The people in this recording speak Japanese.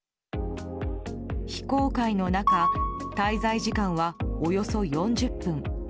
非公開の中滞在時間はおよそ４０分。